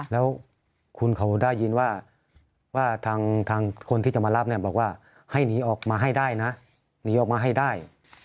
แล้วคุณเขาได้ยินว่าทางคนที่จะมารับเนี่ยบอกว่าให้หนีออกมาให้ได้นะหนีออกมาให้ได้